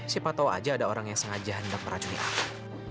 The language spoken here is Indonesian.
siapa tau aja ada orang yang sengaja hendak meracuni aku